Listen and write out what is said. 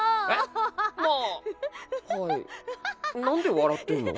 何で笑ってんの？